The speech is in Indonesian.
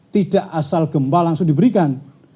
tidak asal gempa langsung diberikan